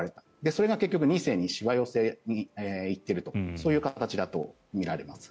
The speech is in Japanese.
それが結局、２世にしわ寄せがいっているというそういう形だとみられます。